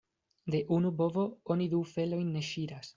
De unu bovo oni du felojn ne ŝiras.